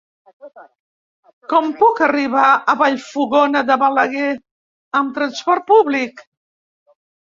Com puc arribar a Vallfogona de Balaguer amb trasport públic?